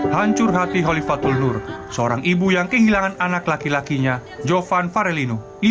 hai hancur hati holly fatul nur seorang ibu yang kehilangan anak laki lakinya jovan farelino lima belas